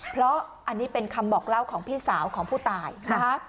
เพราะอันนี้เป็นคำบอกเล่าของพี่สาวของผู้ตายนะคะ